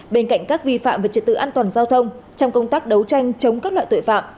bên cạnh các vi phạm về trật tự an toàn giao thông trong công tác đấu tranh chống các loại tội phạm